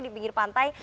di pinggir pantai